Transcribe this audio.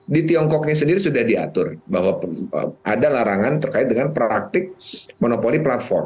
di tiongkoknya sendiri sudah diatur bahwa ada larangan terkait dengan praktik monopoli platform